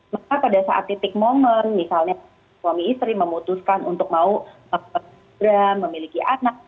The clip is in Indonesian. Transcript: maka pada saat titik momen misalnya suami istri memutuskan untuk mau melakukan program memiliki anak